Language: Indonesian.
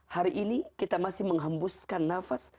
hari ini kita masih menghembuskan nafas